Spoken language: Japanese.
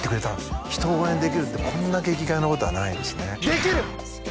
人を応援できるってこんだけ生き甲斐なことはないですねできる！